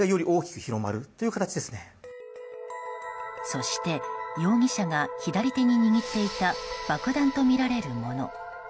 そして、容疑者が左手に握っていた爆弾とみられるもの。